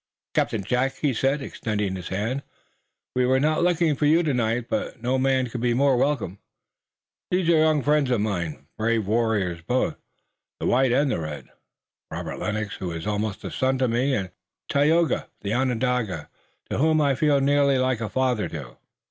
"Captain Jack," he said extending his hand. "We were not looking for you tonight, but no man could be more welcome. These are young friends of mine, brave warriors both, the white and the red, Robert Lennox, who is almost a son to me, and Tayoga, the Onondaga, to whom I feel nearly like a father too."